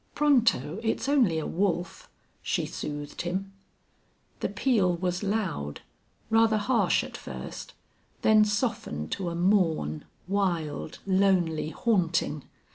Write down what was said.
"Pronto, it's only a wolf," she soothed him. The peal was loud, rather harsh at first, then softened to a mourn, wild, lonely, haunting.